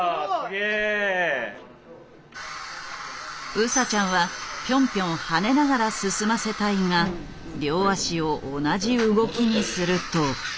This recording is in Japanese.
ウサちゃんはピョンピョン跳ねながら進ませたいが両脚を同じ動きにすると。